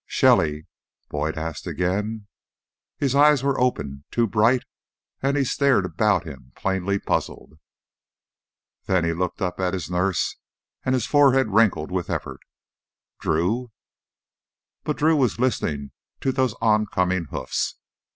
"Shelly?" Boyd asked again. His eyes were open, too bright, and he stared about him, plainly puzzled. Then he looked up at his nurse, and his forehead wrinkled with effort. "Drew?" But Drew was listening to those oncoming hoofs.